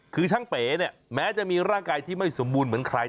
คือช่างเป๋เนี่ยแม้จะมีร่างกายที่ไม่สมบูรณ์เหมือนใคร